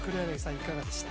いかがでした？